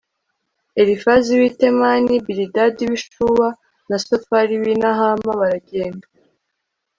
elifazi w'i temani, bilidadi w'i shuwa, na sofari w'i nahama, baragenda